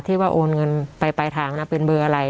ว่าโอนเงินไปปลายทางนะเป็นเบอร์อะไร